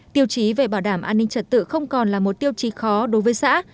tiêu chí về bảo đảm an ninh trật tự không còn là một tiêu chí khó đối với xã